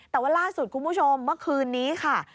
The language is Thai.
แต่ว่าล่าสุดคุณผู้ชมเมื่อคืนนี้ค่ะ